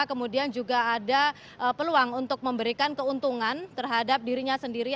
kemudian juga ada peluang untuk memberikan keuntungan terhadap dirinya sendiri